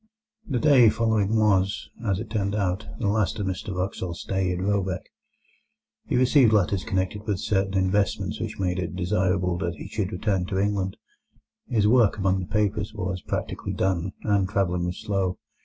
The day following was, as it turned out, the last of Mr Wraxall's stay at Råbäck. He received letters connected with certain investments which made it desirable that he should return to England; his work among the papers was practically done, and travelling was slow.